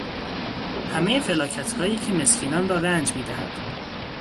همهی فلاکتهایی که مسکینان را رنج میدهد.